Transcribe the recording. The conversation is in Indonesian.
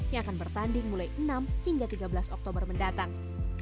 yang akan bertanding mulai enam hingga tiga belas oktober mendatang